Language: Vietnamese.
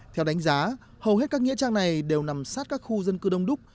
theo đánh giá hầu hết các nghĩa trang này đều nằm sát các khu dân cư đông đúc